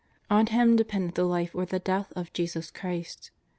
On him depended the life or the death of Jesus Christ.